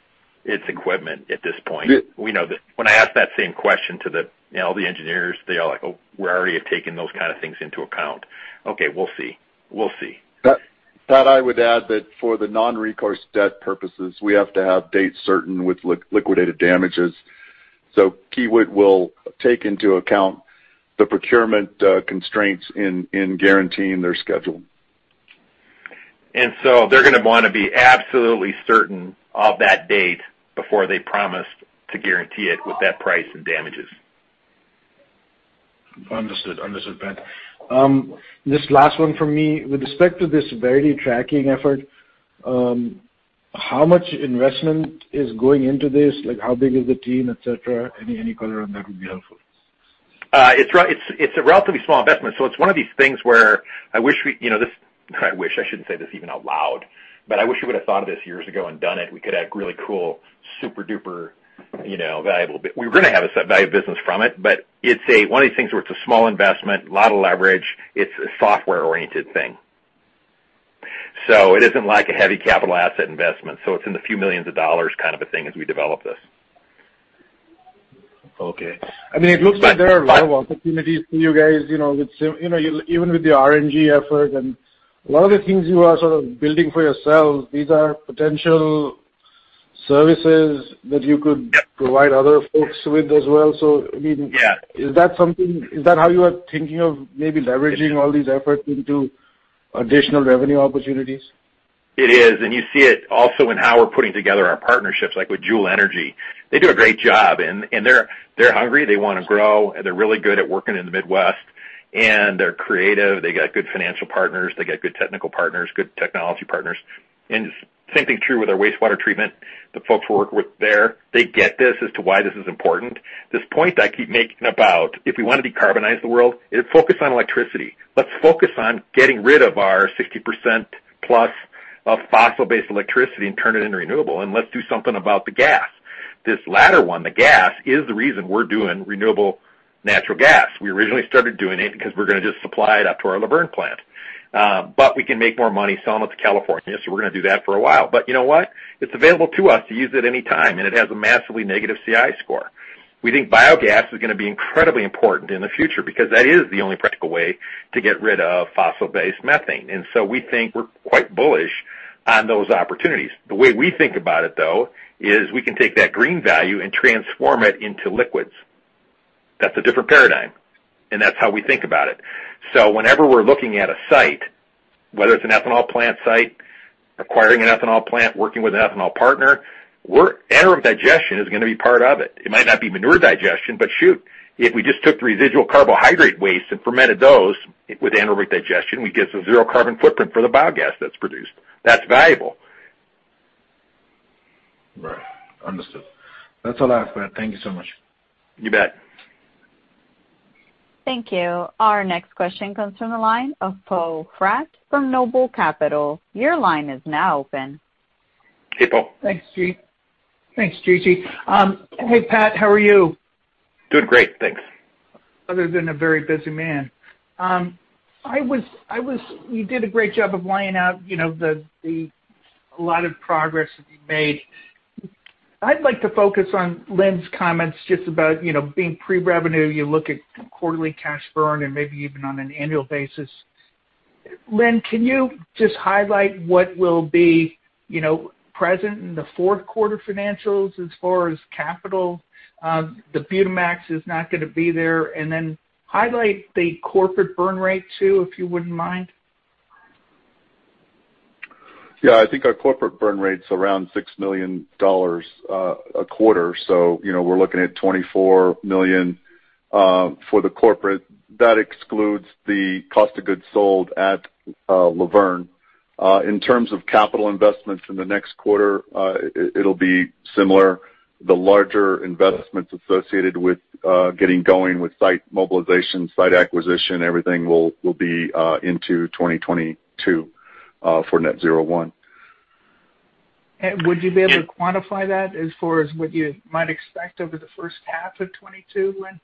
S3: with its equipment at this point. We know that when I ask that same question to the, you know, the engineers, they're like, "Oh, we already have taken those kind of things into account." Okay, we'll see.
S4: I would add that for the non-recourse debt purposes, we have to have dates certain with liquidated damages. Kiewit will take into account the procurement constraints in guaranteeing their schedule.
S3: They're gonna wanna be absolutely certain of that date before they promise to guarantee it with that price and damages.
S8: Understood, Ben. This last one from me. With respect to the Verity Tracking effort, how much investment is going into this? Like, how big is the team, et cetera? Any color on that would be helpful.
S3: It's a relatively small investment. It's one of these things where I wish, you know, I shouldn't say this even out loud. I wish we would've thought of this years ago and done it. We could have really cool, super-duper, you know, valuable business from it, but it's one of these things where it's a small investment, a lot of leverage. It's a software-oriented thing. It isn't like a heavy capital asset investment, so it's in a few million dollars kind of a thing as we develop this.
S8: Okay. I mean, it looks like there are a lot of opportunities for you guys, you know, with you know, even with the RNG effort and a lot of the things you are sort of building for yourselves, these are potential services that you could provide other folks with as well. I mean-
S3: Yeah.
S8: Is that how you are thinking of maybe leveraging all these efforts into additional revenue opportunities?
S3: It is. You see it also in how we're putting together our partnerships, like with Juhl Energy. They do a great job and they're hungry, they wanna grow, and they're really good at working in the Midwest, and they're creative. They got good financial partners. They got good technical partners, good technology partners. Same thing true with our wastewater treatment, the folks we work with there, they get this as to why this is important. This point that I keep making about if we wanna decarbonize the world, it's focused on electricity. Let's focus on getting rid of our 60% plus of fossil-based electricity and turn it into renewable, and let's do something about the gas. This latter one, the gas, is the reason we're doing renewable natural gas. We originally started doing it because we're gonna just supply it up to our Luverne plant. We can make more money selling it to California, so we're gonna do that for a while. You know what? It's available to us to use it any time, and it has a massively negative CI score. We think biogas is gonna be incredibly important in the future because that is the only practical way to get rid of fossil-based methane. We think we're quite bullish on those opportunities. The way we think about it, though, is we can take that green value and transform it into liquids. That's a different paradigm, and that's how we think about it. Whenever we're looking at a site, whether it's an ethanol plant site, acquiring an ethanol plant, working with an ethanol partner, anaerobic digestion is gonna be part of it. It might not be manure digestion, but shoot, if we just took the residual carbohydrate waste and fermented those with anaerobic digestion, we'd get to zero carbon footprint for the biogas that's produced. That's valuable.
S8: Right. Understood. That's all I have, Matt. Thank you so much.
S3: You bet.
S1: Thank you. Our next question comes from the line of Poe Fratt from Noble Capital Markets. Your line is now open.
S3: Hey, Poe.
S9: Thanks, G. Thanks, Gigi. Hey, Pat, how are you?
S3: Doing great. Thanks.
S9: Other than a very busy man. You did a great job of laying out, you know, the a lot of progress that you made. I'd like to focus on Lynn's comments just about, you know, being pre-revenue. You look at quarterly cash burn and maybe even on an annual basis. Lynn, can you just highlight what will be, you know, present in the fourth quarter financials as far as capital? The Butamax is not gonna be there. Highlight the corporate burn rate too, if you wouldn't mind.
S4: Yeah. I think our corporate burn rate's around $6 million a quarter. You know, we're looking at $24 million for the corporate. That excludes the cost of goods sold at Luverne. In terms of capital investments in the next quarter, it'll be similar. The larger investments associated with getting going with site mobilization, site acquisition, everything will be into 2022 for Net-Zero 1.
S9: Would you be able to quantify that as far as what you might expect over the first half of 2022, Lynn?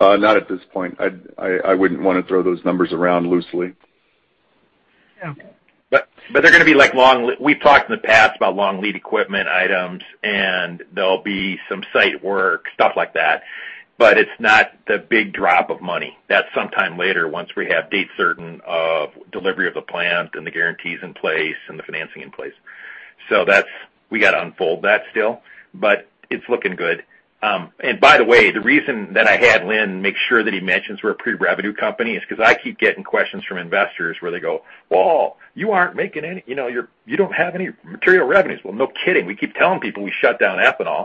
S4: Not at this point. I wouldn't wanna throw those numbers around loosely.
S9: Yeah.
S3: They’re gonna be like long lead. We’ve talked in the past about long lead equipment items, and there’ll be some site work, stuff like that, but it’s not the big drop of money. That’s sometime later once we have date certain of delivery of the plant and the guarantees in place and the financing in place. We gotta unfold that still, but it’s looking good. By the way, the reason that I had Lynn make sure that he mentions we’re a pre-revenue company is ’cause I keep getting questions from investors where they go, “Well, you aren’t making any. You know, you don’t have any material revenues.” Well, no kidding. We keep telling people we shut down ethanol.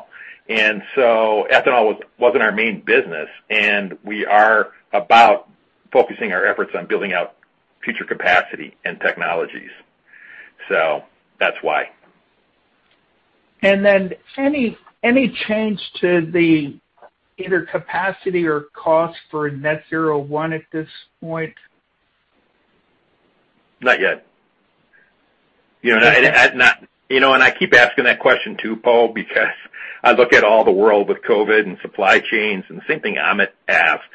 S3: Ethanol wasn’t our main business, and we are about focusing our efforts on building out future capacity and technologies. That’s why.
S9: Any change to either the capacity or cost for Net-Zero 1 at this point?
S3: Not yet. You know, I keep asking that question too, Poe, because I look at all the world with COVID and supply chains, and the same thing Amit asked,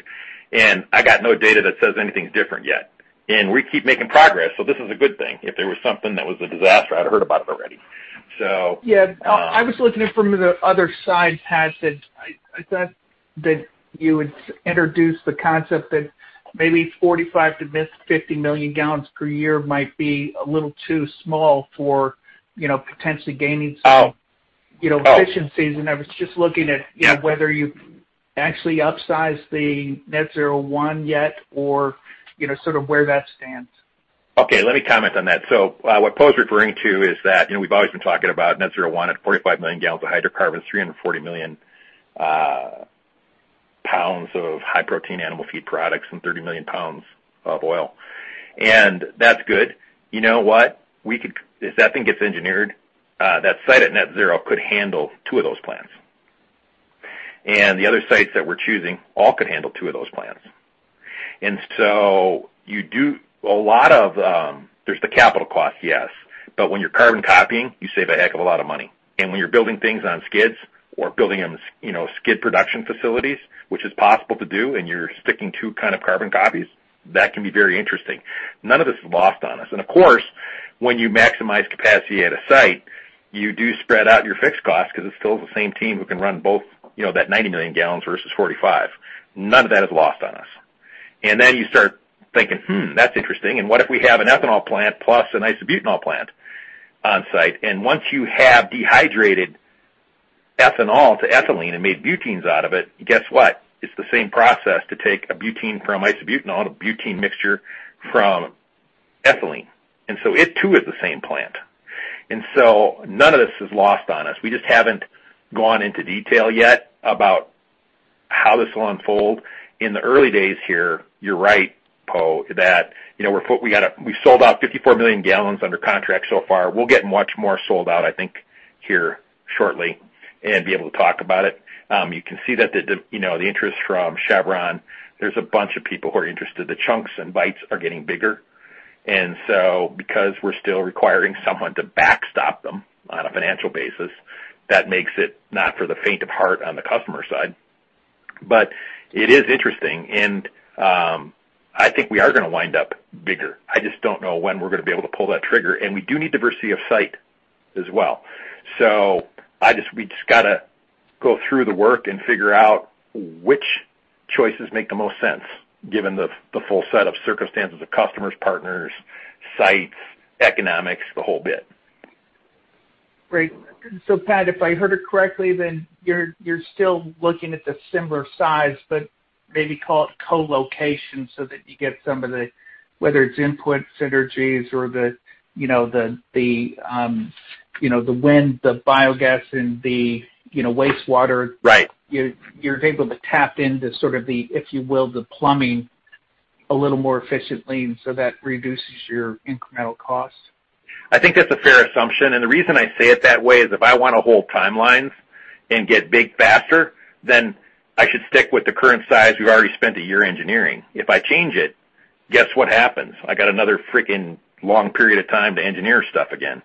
S3: and I got no data that says anything's different yet. We keep making progress, so this is a good thing. If there was something that was a disaster, I'd have heard about it already. So.
S9: Yeah. I was looking at it from the other side, Pat, that I thought that you would introduce the concept that maybe 45 million-50 million gallons per year might be a little too small for, you know, potentially gaining some-
S3: Oh.
S9: You know, efficiencies. I was just looking at-
S3: Yeah.
S9: You know, whether you actually upsized the Net-Zero 1 yet or, you know, sort of where that stands.
S3: Okay. Let me comment on that. What Poe's referring to is that, you know, we've always been talking about Net-Zero 1 at 45 million gallons of hydrocarbons, 340 million pounds of high protein animal feed products and 30 million pounds of oil. That's good. You know what? We could. If that thing gets engineered, that site at Net-Zero could handle two of those plants. The other sites that we're choosing all could handle two of those plants. You do a lot of. There's the capital cost, yes. When you're carbon copying, you save a heck of a lot of money. When you're building things on skids or building on, you know, skid production facilities, which is possible to do, and you're sticking to kind of carbon copies, that can be very interesting. None of this is lost on us. Of course, when you maximize capacity at a site, you do spread out your fixed costs 'cause it's still the same team who can run both, you know, that 90 million gallons versus 45. None of that is lost on us. Then you start thinking, "Hmm, that's interesting. What if we have an ethanol plant plus an isobutanol plant on site?" Once you have dehydrated ethanol to ethylene and made butenes out of it, guess what? It's the same process to take a butene from isobutanol and a butene mixture from ethylene. It too is the same plant. None of this is lost on us. We just haven't gone into detail yet about how this will unfold. In the early days here, you're right, Poe, that, you know, we sold out 54 million gallons under contract so far. We'll get much more sold out, I think, here shortly and be able to talk about it. You can see that the interest from Chevron, there's a bunch of people who are interested. The chunks and bites are getting bigger. Because we're still requiring someone to backstop them on a financial basis, that makes it not for the faint of heart on the customer side. It is interesting. I think we are gonna wind up bigger. I just don't know when we're gonna be able to pull that trigger, and we do need diversity of site as well. We just gotta go through the work and figure out which choices make the most sense given the full set of circumstances of customers, partners, sites, economics, the whole bit.
S9: Great. Pat, if I heard it correctly, then you're still looking at the similar size, but maybe call it co-location so that you get some of the, whether it's input synergies or the, you know, the wind, the biogas and the, you know, wastewater.
S3: Right.
S9: You're able to tap into sort of the, if you will, the plumbing a little more efficiently and so that reduces your incremental costs.
S3: I think that's a fair assumption. The reason I say it that way is if I wanna hold timelines and get big faster, then I should stick with the current size we've already spent a year engineering. If I change it. Guess what happens? I got another freaking long period of time to engineer stuff again.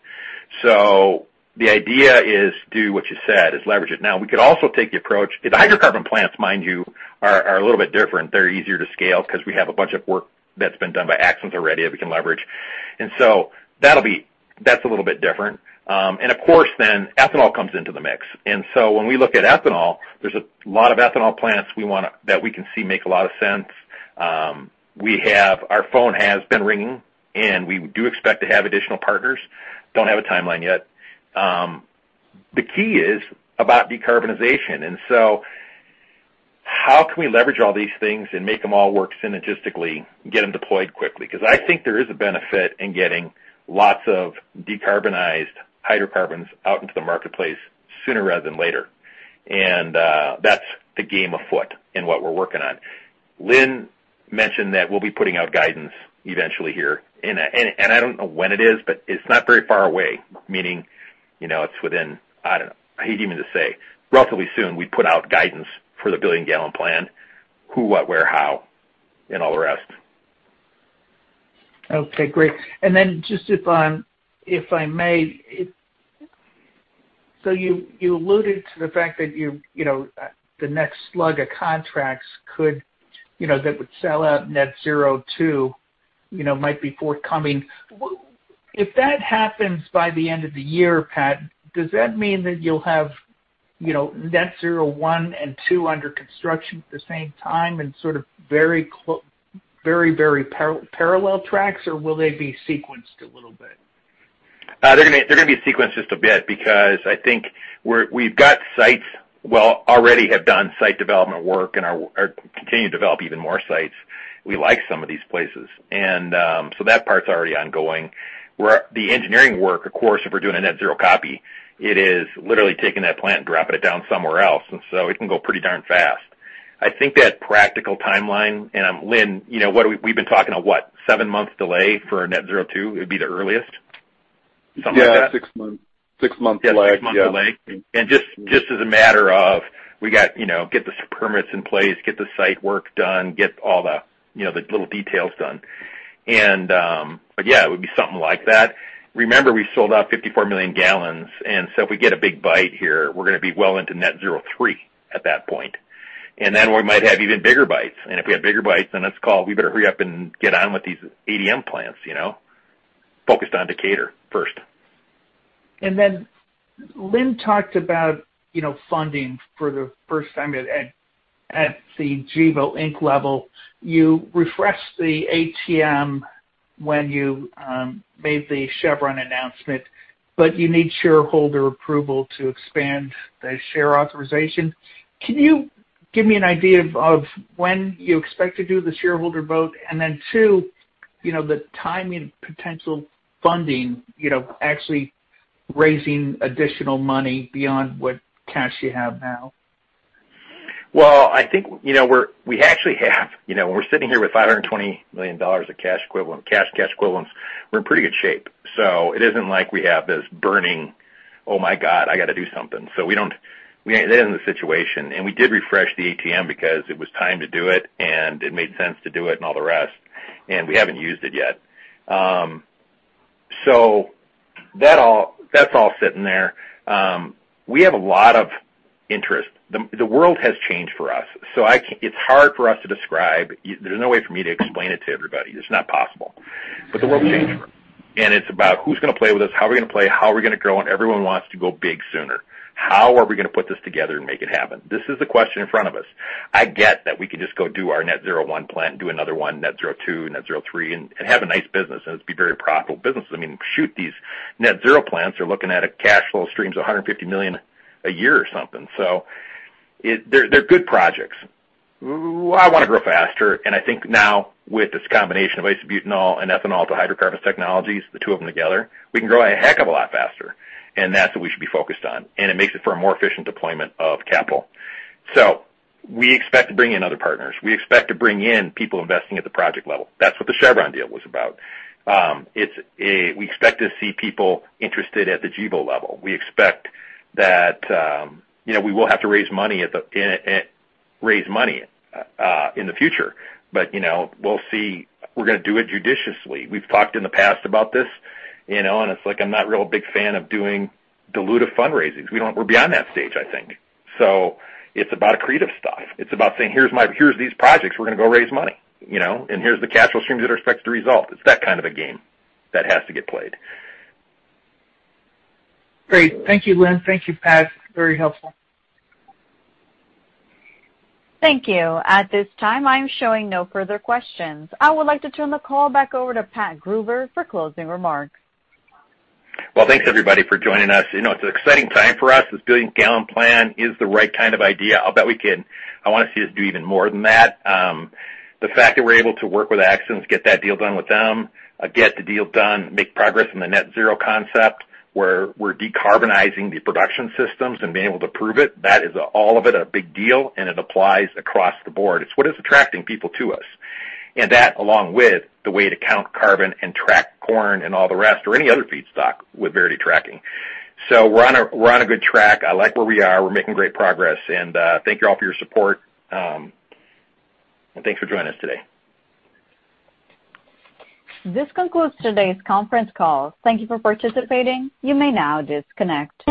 S3: The idea is do what you said, is leverage it. Now, we could also take the approach. The hydrocarbon plants, mind you, are a little bit different. They're easier to scale 'cause we have a bunch of work that's been done by Axens already that we can leverage. That'll be. That's a little bit different. Of course then ethanol comes into the mix. When we look at ethanol, there's a lot of ethanol plants that we can see make a lot of sense. Our phone has been ringing, and we do expect to have additional partners. Don't have a timeline yet. The key is about decarbonization. How can we leverage all these things and make them all work synergistically, get them deployed quickly? 'Cause I think there is a benefit in getting lots of decarbonized hydrocarbons out into the marketplace sooner rather than later. That's the game afoot in what we're working on. Lynn mentioned that we'll be putting out guidance eventually here. I don't know when it is, but it's not very far away, meaning, you know, it's within, I don't know, I hate even to say. Relatively soon, we put out guidance for the billion gallon plan, who, what, where, how, and all the rest.
S9: Okay, great. Just if I may, you alluded to the fact that you're, you know, the next slug of contracts could, you know, that would sell out Net-Zero 2, you know, might be forthcoming. If that happens by the end of the year, Pat, does that mean that you'll have, you know, Net-Zero 1 and 2 under construction at the same time and sort of very, very parallel tracks, or will they be sequenced a little bit?
S3: They're gonna be sequenced just a bit because I think we've got sites. Well, already have done site development work and are continuing to develop even more sites. We like some of these places. That part's already ongoing. The engineering work, of course, if we're doing a Net-Zero copy, it is literally taking that plant and dropping it down somewhere else. It can go pretty darn fast. I think that practical timeline, and Lynn, you know, we've been talking of what? Seven months delay for our Net-Zero 2, it'd be the earliest? Something like that?
S4: Yeah, six-month lag.
S3: Six-month delay. Just as a matter of getting the permits in place, getting the site work done, getting all the little details done. But yeah, it would be something like that. Remember, we sold out 54 million gallons, so if we get a big bite here, we're gonna be well into Net-Zero 3 at that point. Then we might have even bigger bites. If we have bigger bites, we better hurry up and get on with these ADM plants, you know. Focused on Decatur first.
S9: Lynn talked about, you know, funding for the first time at the Gevo, Inc. level. You refreshed the ATM when you made the Chevron announcement, but you need shareholder approval to expand the share authorization. Can you give me an idea of when you expect to do the shareholder vote? Then two, you know, the timing potential funding, you know, actually raising additional money beyond what cash you have now.
S3: Well, I think, you know, we actually have you know, we're sitting here with $520 million of cash and cash equivalents. We're in pretty good shape. It isn't like we have this burning, "Oh my God, I gotta do something." We don't. That isn't the situation. We did refresh the ATM because it was time to do it, and it made sense to do it and all the rest, and we haven't used it yet. That's all sitting there. We have a lot of interest. The world has changed for us, so it's hard for us to describe. There's no way for me to explain it to everybody. It's not possible. The world's changed for us, and it's about who's gonna play with us, how are we gonna play, how are we gonna grow, and everyone wants to go big sooner. How are we gonna put this together and make it happen? This is the question in front of us. I get that we could just go do our Net-Zero 1 plant and do another one, Net-Zero 2, Net-Zero 3, and have a nice business, and it'd be very profitable business. I mean, shoot, these Net-Zero plants are looking at cash flow streams of $150 million a year or something. They're good projects. I wanna grow faster, and I think now with this combination of isobutanol and ethanol to hydrocarbons technologies, the two of them together, we can grow a heck of a lot faster, and that's what we should be focused on, and it makes it for a more efficient deployment of capital. We expect to bring in other partners. We expect to bring in people investing at the project level. That's what the Chevron deal was about. We expect to see people interested at the Gevo level. We expect that, you know, we will have to raise money in the future. You know, we'll see. We're gonna do it judiciously. We've talked in the past about this, you know, and it's like, I'm not real big fan of doing dilutive fundraisings. We're beyond that stage, I think. It's about accretive stuff. It's about saying, "Here's these projects. We're gonna go raise money, you know, and here's the cash flow streams that are expected to result." It's that kind of a game that has to get played.
S9: Great. Thank you, Lynn. Thank you, Pat. Very helpful.
S1: Thank you. At this time, I'm showing no further questions. I would like to turn the call back over to Pat Gruber for closing remarks.
S3: Well, thanks everybody for joining us. You know, it's an exciting time for us. This billion gallon plan is the right kind of idea. I'll bet we can, I wanna see us do even more than that. The fact that we're able to work with Axens, get that deal done with them, make progress in the Net-Zero concept, where we're decarbonizing the production systems and being able to prove it, that is, all of it, a big deal, and it applies across the board. It's what is attracting people to us. That, along with the way to count carbon and track corn and all the rest or any other feedstock with Verity Tracking. We're on a good track. I like where we are. We're making great progress. Thank you all for your support. Thanks for joining us today.
S1: This concludes today's conference call. Thank you for participating. You may now disconnect.